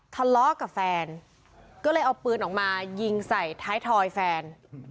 ทะเลาะกับแฟนก็เลยเอาปืนออกมายิงใส่ท้ายทอยแฟน